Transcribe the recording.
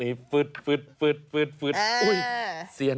แล้วก็ใช้โทรศัพท์ส่อง